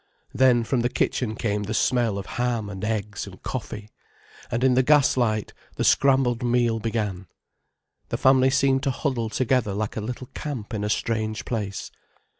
Then from the kitchen came the smell of ham and eggs and coffee, and in the gaslight, the scrambled meal began. The family seemed to huddle together like a little camp in a strange place.